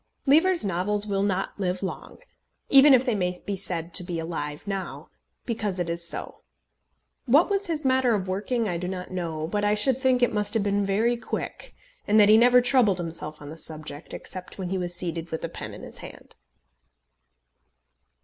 Lever's novels will not live long, even if they may be said to be alive now, because it is so. What was his manner of working I do not know, but I should think it must have been very quick, and that he never troubled himself on the subject, except when he was seated with a pen in his hand.